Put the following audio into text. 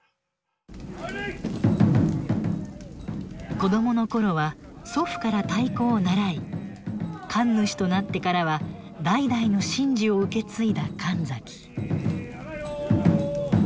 子供の頃は祖父から太鼓を習い神主となってからは代々の神事を受け継いだ神崎。